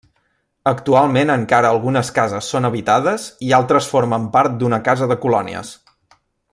Actualment encara algunes cases són habitades i altres formen part d'una casa de Colònies.